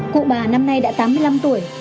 cụ bà năm nay đã tám mươi năm tuổi